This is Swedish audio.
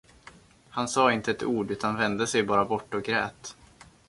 Han sade inte ett ord, utan vände sig bara bort och grät.